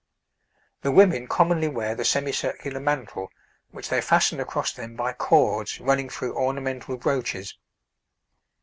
The women commonly wear the semicircular mantle, which they fasten across them by cords running through ornamental brooches.